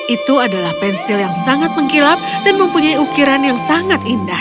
itu adalah pensil yang sangat mengkilap dan mempunyai ukiran yang sangat indah